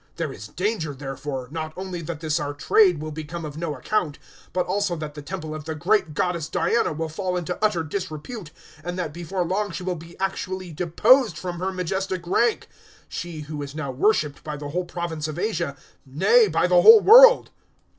019:027 There is danger, therefore, not only that this our trade will become of no account, but also that the temple of the great goddess Diana will fall into utter disrepute, and that before long she will be actually deposed from her majestic rank she who is now worshipped by the whole province of Asia; nay, by the whole world."